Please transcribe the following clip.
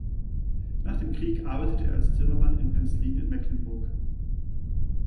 Nach dem Krieg arbeitete er als Zimmermann in Penzlin in Mecklenburg.